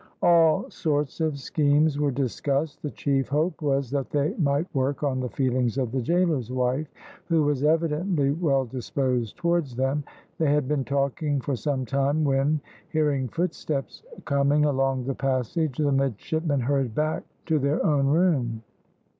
All sorts of schemes were discussed. The chief hope was that they might work on the feelings of the gaoler's wife, who was evidently well disposed towards them. They had been talking for some time when, hearing footsteps coming along the passage, the midshipmen hurried back to their own room.